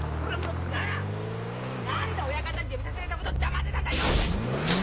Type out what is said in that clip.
なら何で親方に辞めさせられたことを黙ってたんだよ！